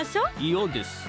嫌です